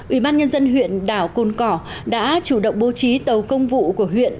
ủy ban nhân dân huyện đảo cồn cỏ đã chủ động bố trí tàu công vụ của huyện